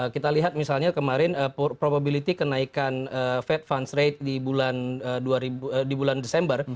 kita lihat misalnya kemarin probability kenaikan fed fund rate di bulan desember